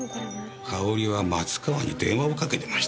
かおりは松川に電話をかけてました。